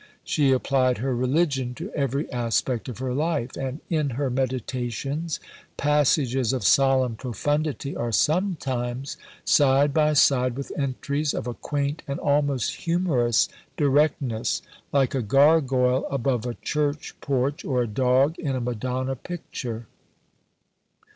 She applied her religion to every aspect of her life; and in her meditations, passages of solemn profundity are sometimes side by side with entries of a quaint, and almost humorous, directness, like a gargoyle above a church porch or a dog in a Madonna picture.